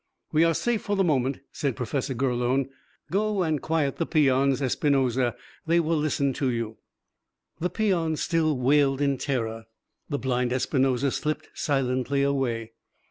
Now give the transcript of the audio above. "We are safe for the moment," said Professor Gurlone. "Go and quiet the peons, Espinosa: they will listen to you." The peons still wailed in terror; the blind Espinosa slipped silently away.